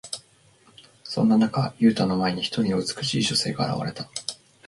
そんな中、ユウタの前に、一人の美しい女性が現れた。